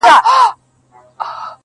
له مودو وروسته پر ښو خوړو مېلمه وو-